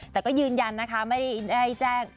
แต่ก็ยืนยันนะคะไม่ได้แจ้ง